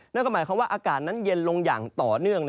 นั่นก็หมายความว่าอากาศนั้นเย็นลงอย่างต่อเนื่อง